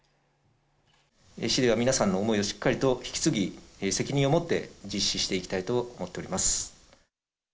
市では皆さんの思いをしっかりと引き継ぎ、責任を持って実施していきたいと思っております。